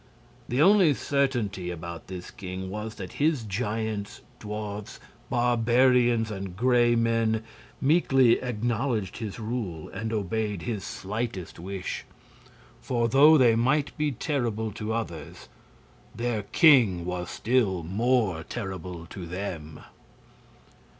The only certainty about this king was that his giants, dwarfs, barbarians and Gray Men meekly acknowledged his rule and obeyed his slightest wish; for though they might be terrible to others, their king was still more terrible to them.